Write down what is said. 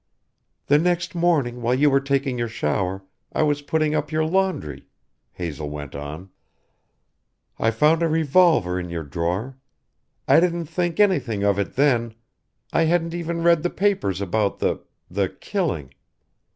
"The next morning while you were taking your shower I was putting up your laundry," Hazel went on. "I found a revolver in your drawer. I didn't think anything of it then I hadn't even read the papers about the the killing.